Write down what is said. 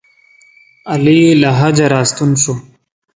علي له حجه راستون شو.